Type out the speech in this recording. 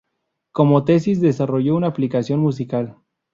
Como tesis desarrolló una aplicación musical.